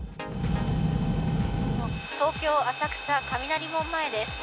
東京・浅草、雷門前です。